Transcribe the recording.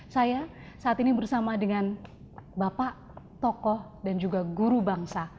saya saat ini bersama dengan bapak tokoh dan juga guru bangsa